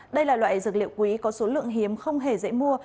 đây là loại dược liệu quý có số lượng hiếm không hề dễ mua